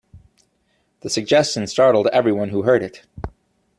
The suggestion startled every one who heard it.